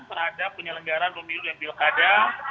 terhadap penyelenggaran pemilu dan pilkada